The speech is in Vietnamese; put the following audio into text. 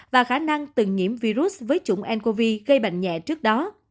và khả năng từng nhiễm virus với chủng ncov gây bệnh nhẹ trước đó